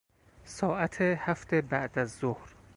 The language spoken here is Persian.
ساعت هفت بعدازظهر